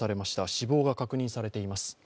死亡が確認されています。